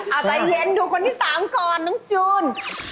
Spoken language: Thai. เอาใจเย็นดูคนที่๓ก่อนน้องจูน